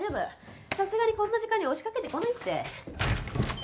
さすがにこんな時間に押しかけてこないって。